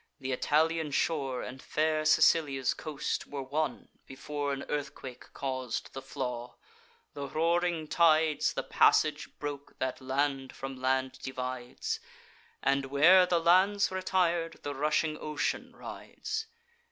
Th' Italian shore And fair Sicilia's coast were one, before An earthquake caus'd the flaw: the roaring tides The passage broke that land from land divides; And where the lands retir'd, the rushing ocean rides.